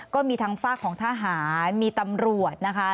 ก็มีทั้งฝากของทหารมีตำรวจนะคะ